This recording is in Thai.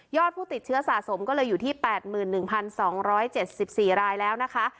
ผู้ติดเชื้อสะสมก็เลยอยู่ที่๘๑๒๗๔รายแล้วนะคะ